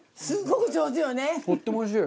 とってもおいしい！